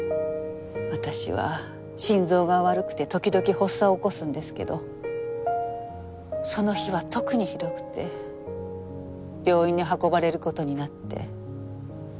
私は心臓が悪くて時々発作を起こすんですけどその日は特にひどくて病院に運ばれる事になって。